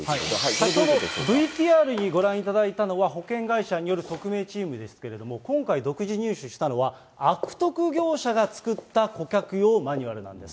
先ほどＶＴＲにご覧いただいたのは保険会社による特命チームですけれども、今回独自入手したのは、悪徳業者が作った顧客用マニュアルなんです。